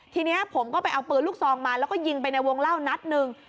ทีนี้ผมก็ไปเอาปืนลูกซองมาแล้วก็ยิงไปในวงเล่านัดหนึ่ง